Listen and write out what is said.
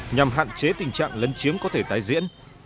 nhằm hạn chế tình trạng lấn chiếm có thể tái diễn